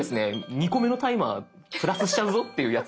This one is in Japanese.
２個目のタイマープラスしちゃうぞっていうやつなので。